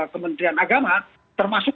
kementerian agama termasuk